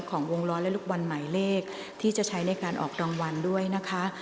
ของวงล้อและลูกบอลหมายเลขที่จะใช้ในการออกรางวัลด้วยนะคะ